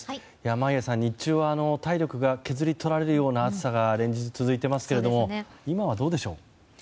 眞家さん、日中は体力が削り取られるような暑さが連日続いていますけれども今はどうでしょう？